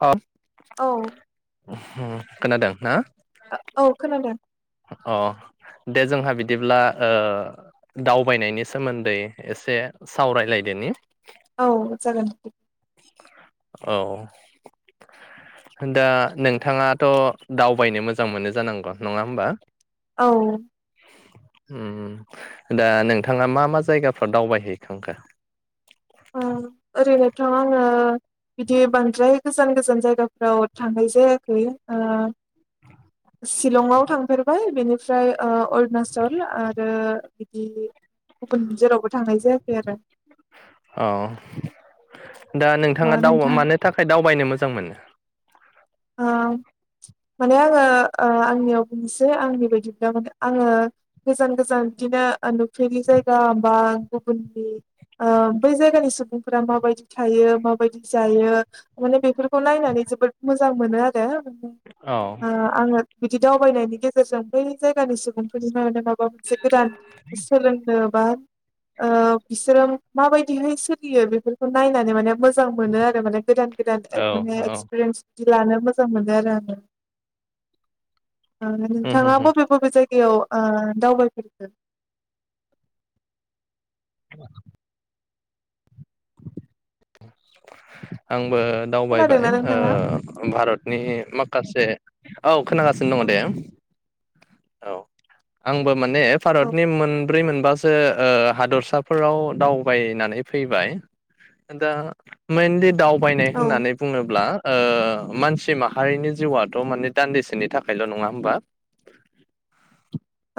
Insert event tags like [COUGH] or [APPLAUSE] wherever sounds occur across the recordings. अ औ खोनादों ना औ खोनादों अ दे जोंहा बिदिब्ला ओ दावबायनायनि सोमोन्दै एसे सावरायलायदोनि औ जागोन औ दा नोंथाङाथ दावबायनो मोजां मोनो जानांगौ नङा होमबा औ ओ उम उम दा नोंथाङा मा मा जायगाफोराव दावबायहैखांखो ओम ओरैनोथ आङो बिदि बांद्राय गोजान गोजान जायगाफ्राव थांनाय जायाखै ओ सिलंआव थांफेरबाय बिनिफ्राय ओ अरुनाचल आरो बिदि गुबुन जेरावबो थांनायजाया खैआरो औ दा ओ नोंथाङा दाव नोंथां मानो थाखाय दावबायनो मोजां मोनो ओ माने आङो ओ आंनियाव बुंनोसै आंनि बायदिब्ला माने आङो गोजान गोजान बिदिनो नुफेरै जायगा बा गुबुननि ओ बै जायगानि सुबुंफोरा माबायदि थायो माबायदि जायो माने बेफोरखौ नायनानै जोबोद मोजां मोनो आरो औ ओ आङो बि बिदि दावबायनायनि गेजेरजों बै जायगानि सुबुंफोरनि माव माबा मोनसे गोदान सोलोंनो बा ओ बिसोरों माबायदिहै सोलियो बेफोरखौ नायनानै माने मोजां मोनो आरो माने गोदान गोदान औ माने औ एक्सपिरियेन्स बिदि लानो मोजां मोनो आरो आङो ओ उम होम होम नोंथाङाबो बबे बबे जाय बेयाव ओ दावबायफेरखो [INAUDIBLE] आं बो दावबाय खोनादोंना नोंथाङा? ओ भारतनि माख से औ खोनागासिनो दङ दे ओं औ आंबोब माने औ भारतनि मोन मोनाब्रै मोनबासो ओ हादरसाफोराव दावबायनानै फैबाय दा मेेनलि दावब बायनाय औ होननानै बुङोब्ला ओ मानसि माहारिनि जिउआथ माने दान्दिसेनि थाखायल नङा होमबा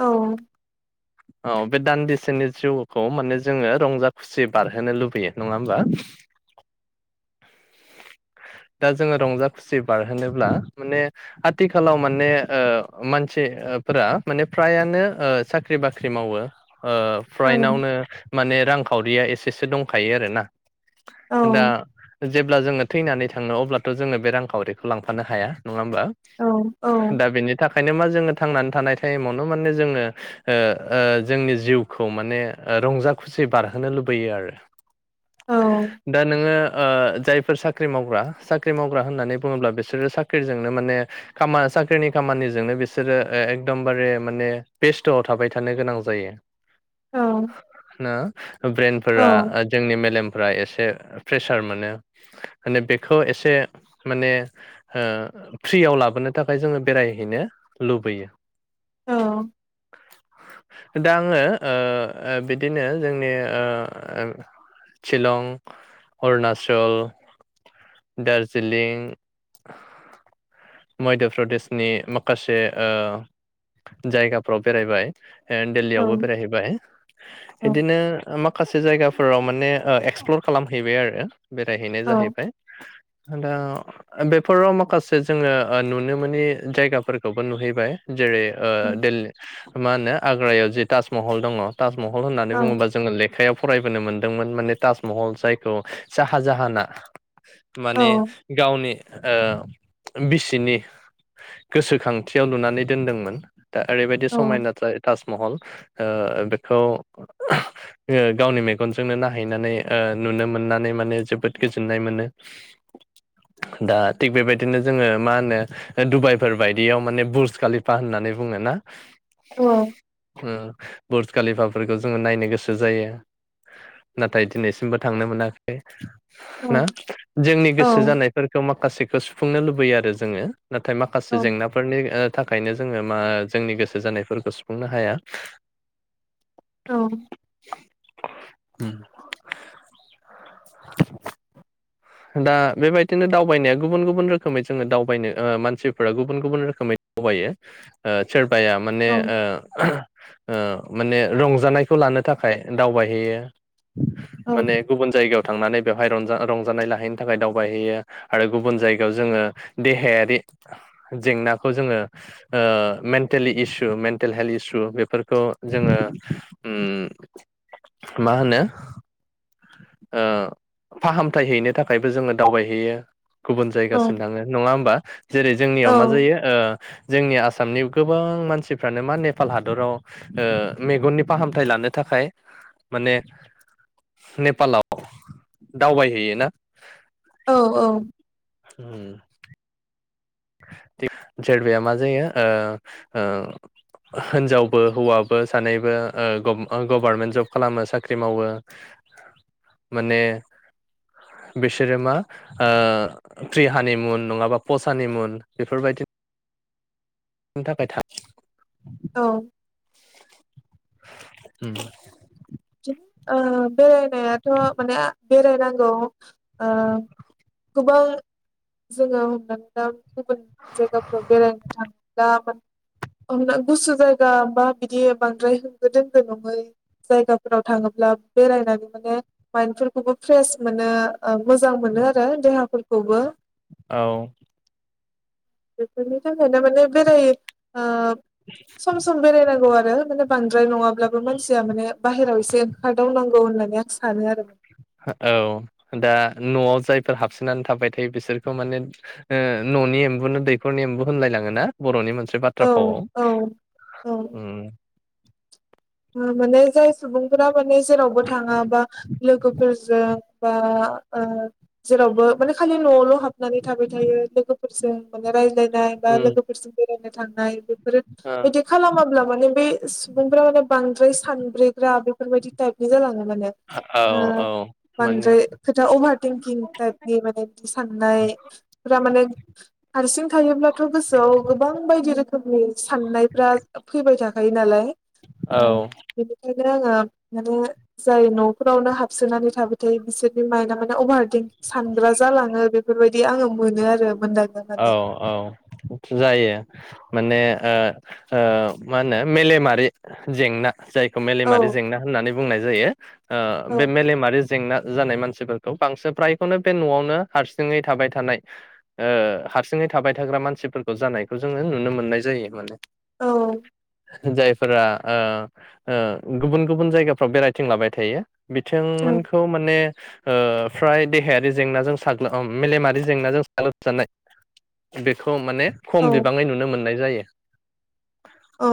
औ औ बे दान्दिसेनि जिउखौ माने जोङो रंजा खुसि बारहोनो लुबैयो नङा होमबा? दा जोङो रंजा खुसि बारहोनोब्ला माने आथिखालाव माने ओ मानसि ओ फोरा माने फ्रायानो ओ साख्रि बाख्रि मावो। ओ औ फ्रायनावनो माने रांखावरिया एसेसो दंखायो आरो ना औ दा जेब्ला जोङो थैनानै थांङो अब्लाथ जोङो बे रांखावरिखौ लांफानो हाया नङा होबा औ औ दा बेनि थाख ओंखायनो मा जोङो थांनानै थानाय टाइमावनो माने जोङो ओ ओ जोंनि जिउखौ माने ओ रंजा खुसि बारहोनो लुबैयो आरो औ दा नोङो ओ जायफोर साख साख्रि मावग्रा साख्रि मावग्रा होननानै बुङोब्ला बिसोरो साख्रिजोंनो माने खाम साख्रिनि खामानिजोंनो बिसोरो एकदमबारे माने बेस्थआव थाबाय थानो गोनां जायो औ ना ब्रेनफोरा जोंनि मेलेम फ्रा एसे प्रेसार मोनो माने बेखौ एसे माने ओ फ्रियाव लाबोनो थाखाय जोङो बेरायहैनो लुबैयो औ दा आङो ओ ओ बिदिनो जोंनि ओ सिलं अरुनाचल दार्जिलिं मध्य प्रदेशनि माखासे आ जायगाफ्राव बेरायबाय। औ दिल्लीयावबो बेरायहैबाय औ इदिनो माखासे जायगाफ फोराव माने एक्सप्लर खालामहैबाय आरो बेरायहैनाय जाहैबाय दा बेफोराव माखासे जोङो नुनो मोनि जायगाफोरखौबो नुहैबाय जेरै ओ दिल्लि मा होनो आग्रायाव जे ताजमहल दङ ताजमहल होननानै बुङोबा जोङो लेखायाव फराय बोनो मोनदोंमोन माने ताजमहल जायखौ साहा जाहाना माने गावनि ओ बिसिनि गोसोखांथियाव लुनानै दोनदोंमोन। दा ओरैबायदि समायना ता ताजमहल ओ बेखौ ओ गावनि मेगनजोंनो नायहैनानै ओ नुनो मोननानै माने जोबोद गोजोननाय मोनो दा थिग बेबायदिनो जोङो मा होनो डुबाइफोर बायदियाव माने बुर्ज कालिफा होननानै बुङो ना ओम बुर्ज कालिफाफोरखौ जोङो नायनो गोसो जायो नाथाय दिनैसिमबो थांनो मोनाखै ना जोंनि गोसो जानायफोरखौ माखासेखौ सुफुंनो लुबैयो आरो जोङो नाथाय औ माखासे जेंनाफोरनि ओ थाखायनो जोङो मा जोंनि गोसो जानायफोरखौ सुफुंनो हाया। औ। ओम [INAUDIBLE] [INAUDIBLE] दा बेबायदिनो दावबायनाया गुबुन गुबुन रोखोमै जोङो दावबायनो ओ मानसिफोरा गुबुन गुबुन रोखोमै दावबायो ओ सो बाया माने ओ [UNINTELLIGIBLE] ओ माने रंजानायखौ लानो थाखाय दावबायहैयो। माने गुबुन जायगायाव थांनानै बेवहाय रंजा रंजानाय लाहैनो थाखाय दावबायहैयो आरो गुबुन जायगायाव जोङो देहायारि जेंनाखौ जोङो ओ मेन्टेलि इसु मेन्टेल हेल्थ इसु बेफोरखौ जोङो ओम मा होनो ओ फाहामथाय हैनो थाखायबो जोङो दावबायहैयो। गुबुन जायगासिम औ थाङो नङा होमबा जेरै जोंनियाव मा जायो ओ जोंनि आसामनि गोबां मानसिफ्रानो मा नेपाल हादराव ओ मेगननि फाहामथाय लानो थाखाय माने नेपालाव दावबायहैयो ना? औ औ। होम। जेरबाया मा जायो ओ ओ हिनजावबो हौवाबो सानैबो ओ गब गभारमेन्ट जब खालामो साख्रि मावो माने बिसोरो मा ओ प्रिहानि बेफोरबायदि। खोंथाखाय था औ। ओम। औ बेरायनायाथ' माने बेरायनांगौ ओ गोबां जोङो हमनानै ला गुबुन जायगाफोराव बेरायनो थाङोब्ला हमना गुसु जायगा बा बिदि बांद्राय होंगो-दोंगो नङै जायगा फोराव थाङोब्ला बेरायनानै माने माइन्द फोरफोरखौबो फ्रेस मोनो। ओ मोजां मोनो आरो देहाफोरख खौबो औ। बेफोरनि थाखायनो माने बेराय ओ सम सम बेरायनांगौ आरो। आरो बेनि बांद्राय नङाब्लाबो मानसिया माने बाहेराव एसे ओंखारदावनांगौ होननानै आं सा सानो आरो माने औ दा नआव जायफोर हाबसोनानै थाबाय थायो बिसोरखौ माने ओ ननि एम्बुनो दैखरनि एम्बु होनलाय लाङोना बर'नि मानस औ औ औ। उम माने जाय सुबुंफोरा माने जेरावबो थाङा बा लोगोफोरजों बा ओ जेरावबो माने खालि नआवल हाबनानै थाबाय थायो लोगोफोरजों माने रायज्लाय बा लोगो फोरजों बे नो थांनाय [UNINTELLIGIBLE] बिदि खालामाब्ला माने बै सुबुंफ्रा माने बांद्राय सानब्रेग्रा बेफोरबायदि टाइपनि जालाङो। माने औ ओ औ माने बांद्राय खोथा अभार थिंकिं टाइपनि माने साननायफ्रा माने हारसिं थायोब्लाथ गोसोआव गोबां बायदि रोखोमनि साननायफ्रा फैबाय थाखा थायो नालाय। औ बिनिखायनो नो आङो माने जाय नफोरावनो हाबसोनानै थाबाय थायो बिसोरनि माइन्डआ माने अभारटिं सानग्रा जालाङो बेफोरबायदि दि आङो मोनो आरो। मोनदांनो औ मोनदों औ जायो। माने ओ ओ मा होनो मेलेमारि जेंना। जायखौ औ मेलेमारि जेंना होननानै बुंनाय जायो ओ औ बे मेलेमारि जेंना जानाय मानसिफोरखौ बांसिन फ्रायखौनो बे नआवनो हारसिङै थाबाय थानाय ओ हारसिङै थाबाय थाग्रा मानसिफोरखौ जानायखौ जोङो नुनो मोननाय जायो माने। औ जायफोरा ओ ओ गुबुन गुबुन जायगाफ्राव बेरायथिंलाबाय थायो औ बिथांमोनखौ माने ओ फ्राय देहायारि जेंनाजों साग्लोब ओ मेलेमारि जेंनाजों साग्लोबजानाय बेखौ माने खम बिबाङै नुनो मोननाय जायो। औ।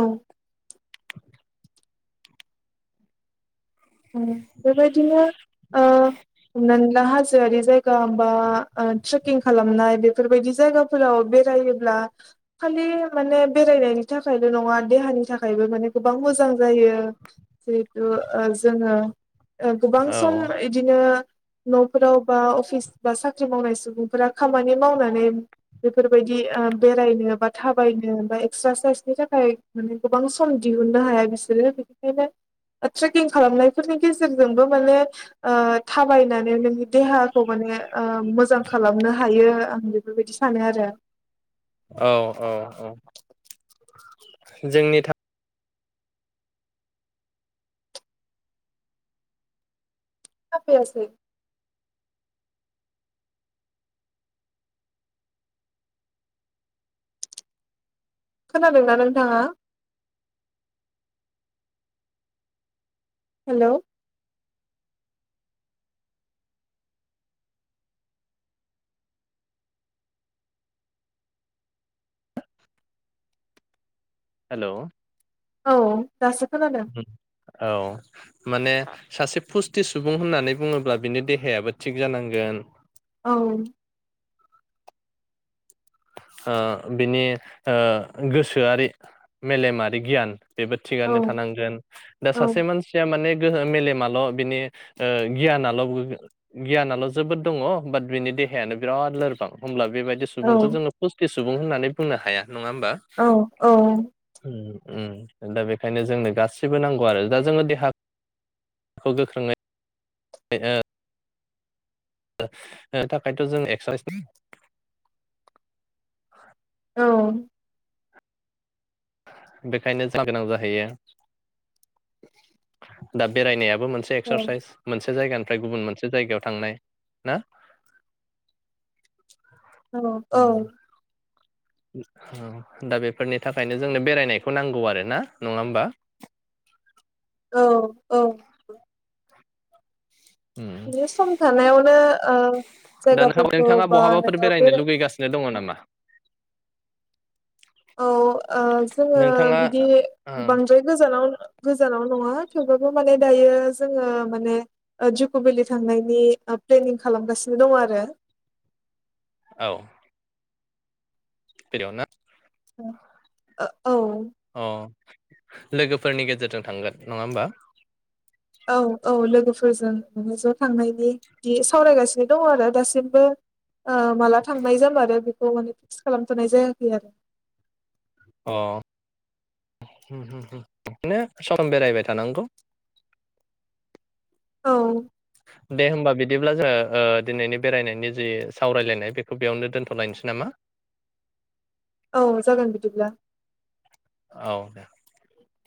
ओ बेबायदिनो ओ हमनानै ला हाजोआरि जायगा बा ओ ट्रेकिं खालामनाय बेफोरबायदि जायगाफोराव बेरायोब्ला खालि माने बेरायनायनि थाखायल नङा देहानि थाखायबो माने गोबां मोजां जायो जिहेथु ओ जोङो ओ गोबां औ सम इदिनो नफोराव बा अफिस बा साख्रि मावनाय सुबुंफोरा खामानि मावनानै बेफोरबायदि ओ बेरायनो बा थाबायनो बा एक्स्रासाइसनि थाखाय माने गोबां सम दिहुननो हाया बिसोरो बेनिखायनो ट्रेकिं खालामनायफोरनि गेजेरजोंबो माने ओ थाबायनानै नोंनि देहाखौ माने ओ मोजां खालामनो हायो आं बेफोरबायदि सानो आरो। औ औ औ जोंनि था [UNINTELLIGIBLE] खोनादोंना नोंथाङा? हेलौ। हेलौ। औ। दासो खोनादों। औ माने सासे फुस्थि सुबुं होननानै बुङोब्ला बिनि देहायाबो थिग जानांगोन औ। ओ बिनि ओ गोसोआरि मेलेमारि गियान बेबो औ थिगानो थानांगोन दा औ सासे मानसिया माने गोहो मेलेमाल बेनि ओ गियानाल गियिनाल जोबोद दङ बात बेनि देहायानो बिराद लोरबां होमब्ला ब बेबायदि सुबुं औ जोङो फुसथि सुबुं होननानै बुंनो हाया। नङा होमबा? औ औ होम। उम दा बेखायनो जोंनो गासिबो नांगौ आरो दा जोङो देहा खौ गोख्रोङै दे हो ओ थाखायनोथ' जों एक्स्रा औ। बेखायनो जा गोनां जाहैयो दा बेरायनाया बो मोनसे औ एकस्रासाइस मोनसे जायगान फ्राय गुबुन मोनसे जायगायाव थांनाय ना? नंगौ औ। उम दा बेफोरनि थाखायनो जोंनो बेरायनायखौ नांगौ आरो ना नङा होमबा? औ औ। उम बे सम थानायावनो ओ दा नोंहा जायगाफोरखौ नोंथाङा बा बहाबाफोर नोङो बेरायनो बेरा लुगैगासिनो दङ नामा औ ओ जोङो नोंथाङा बिदि ओं बांद्राय गोजानाव गोजानाव नङा थेवबाबो माने दायो जोङो माने जुक भेलि थांनायनि ओ प्लेनिं खालामगासिनो दङ' आरो। औ। [UNINTELLIGIBLE] ओ अ लोगोफोरनि गेजेरजों थांगोन नङा होमबा? औ औ लोगोफो फोरजों माने ज' थांनायनि दि सावरायगासिनो दङ' आरो दासिमबो ओ माला थांनाय जामारो बे औ माने फिक्स खालामथ'नाय जायाखै आरो। अ [UNINTELLIGIBLE] बिनो सम बेरायबाय थानांगौ। औ। दे होमबा बिदिब्ला जों ओ दिनैनि बेरायनायनि जि सावरायलायनाय बेखौ बेयावनो दोन्थ'लायनोसै नामा? औ जागोन बिदिब्ला। औ [UNINTELLIGIBLE]